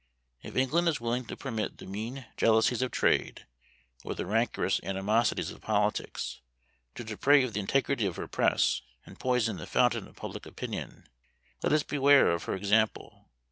If England is willing to permit the mean jealousies of trade, or the rancorous animosities of politics, to deprave the integrity of her press, and poison the fountain of public opinion, let us beware of her example.